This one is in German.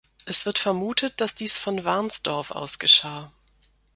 Es wird vermutet, dass dies von Warnsdorf aus geschah.